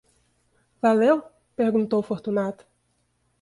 Valeu? perguntou Fortunato.